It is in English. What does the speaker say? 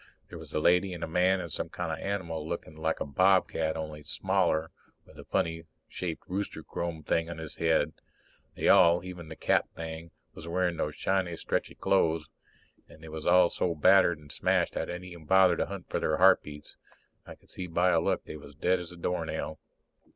There was a lady and a man and some kind of an animal looked like a bobcat only smaller, with a funny shaped rooster comb thing on its head. They all even the cat thing was wearing those shiny, stretchy clo'es. And they all was so battered and smashed I didn't even bother to hunt for their heartbeats. I could see by a look they was dead as a doornail.